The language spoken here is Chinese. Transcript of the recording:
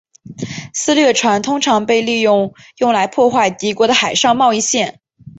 私掠船通常被利用来破坏敌国的海上贸易线。